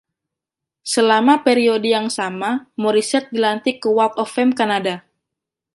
Selama periode yang sama, Morissette dilantik ke Walk of Fame Kanada.